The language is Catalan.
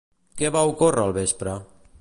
Què va ocórrer al vespre?